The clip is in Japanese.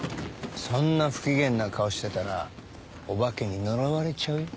そんな不機嫌な顔してたらお化けに呪われちゃうよ